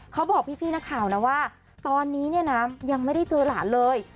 เขาบอกพี่นักข่าวนะว่าตอนนี้เนี่ยนะยังไม่ได้เจอหลานเลย